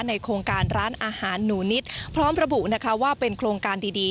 โครงการร้านอาหารหนูนิดพร้อมระบุนะคะว่าเป็นโครงการดีดี